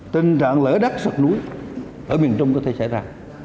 tình trạng lỡ đất sọc núi ở miền trung có thể xảy ra